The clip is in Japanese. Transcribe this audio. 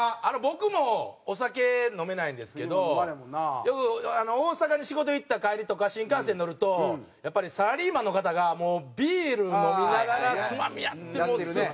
あの僕もお酒飲めないんですけどよく大阪に仕事行った帰りとか新幹線乗るとやっぱりサラリーマンの方がもうビール飲みながらつまみやって。